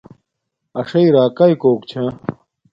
اݽݵ راکاݵ کوک چھا